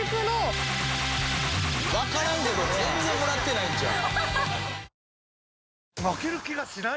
わからんけど全然もらってないんちゃう？